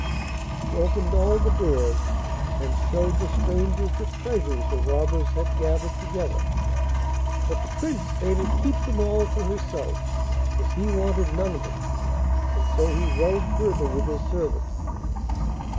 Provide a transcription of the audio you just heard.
She opened all the doors, and showed the strangers the treasures the robbers had gathered together; but the Prince bade her keep them all for herself, as he wanted none of them, and so he rode further with his servant.